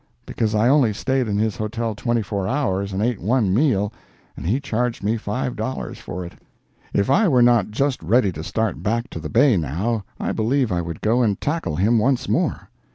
Because I only staid in his hotel twenty four hours and ate one meal, and he charged me five dollars for it. If I were not just ready to start back to the bay, now, I believe I would go and tackle him once more.